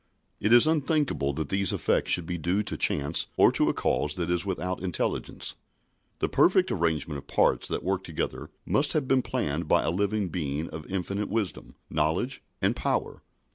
It is unthinkable that these effects should be due to chance or to a cause that is without intelligence. The perfect arrangement of parts that work together must have been planned by a living Being of infinite wisdom, knowledge, and power.